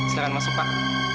silahkan masuk pak